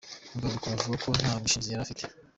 Rwabikoro avuga ko nta bwishingizi yari afite.